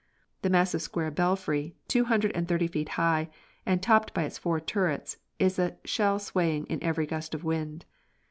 The massive square belfry, two hundred and thirty feet high and topped by its four turrets, is a shell swaying in every gust of wind.